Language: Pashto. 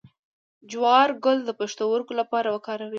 د جوار ګل د پښتورګو لپاره وکاروئ